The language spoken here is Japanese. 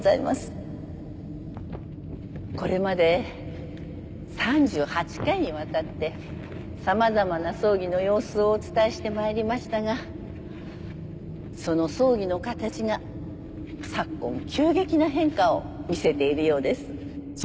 これまで３８回にわたって様々な葬儀の様子をお伝えしてまいりましたがその葬儀の形が昨今急激な変化を見せているようです。